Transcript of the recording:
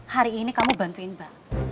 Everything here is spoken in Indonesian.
hari ini kamu bantuin mbak